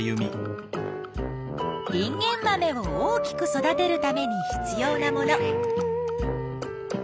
インゲンマメを大きく育てるために必要なもの。